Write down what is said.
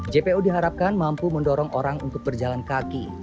jpo diharapkan mampu mendorong orang untuk berjalan kaki